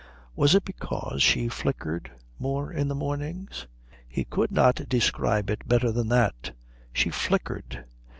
Was it because she flickered more in the mornings? He could not describe it better than that she flickered.